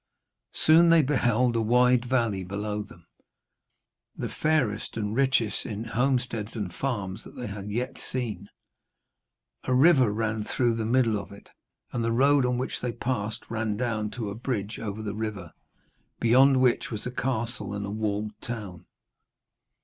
Soon they beheld a wide valley below them, the fairest and richest in homesteads and farms that they had yet seen. A river ran through the middle of it, and the road on which they passed ran down to a bridge over the river, beyond which was a castle and a walled town.